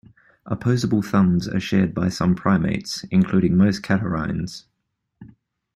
Opposable thumbs are shared by some primates, including most catarrhines.